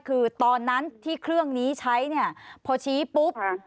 คือตอนนั้นที่เครื่องนี้ใช้เนี่ยพอชี้ปุ๊บ